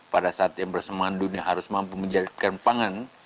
pada saat yang bersamaan dunia harus mampu menjadikan pangan